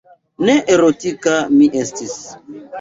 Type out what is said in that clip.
Ne erotika mi estis.